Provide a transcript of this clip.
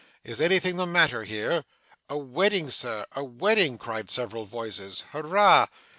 'Is anything the matter here?' 'A wedding Sir, a wedding!' cried several voices. 'Hurrah!